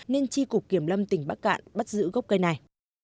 nên tri cục kiểm lâm tỉnh bắc cạn bắt giữ gốc cây này